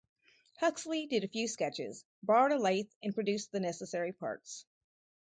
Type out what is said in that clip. Huxley did a few sketches, borrowed a lathe and produced the necessary parts.